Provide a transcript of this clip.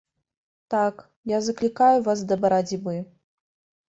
Так, я заклікаю вас да барацьбы.